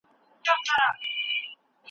اوس دولتونه په تولیدي چارو کي برخه اخلي.